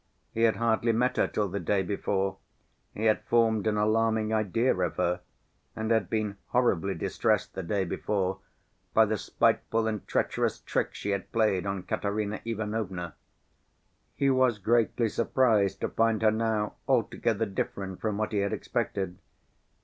He had hardly met her till the day before, he had formed an alarming idea of her, and had been horribly distressed the day before by the spiteful and treacherous trick she had played on Katerina Ivanovna. He was greatly surprised to find her now altogether different from what he had expected.